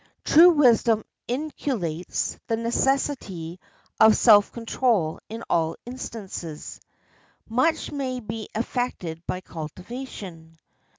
True wisdom inculcates the necessity of self control in all instances. Much may be affected by cultivation.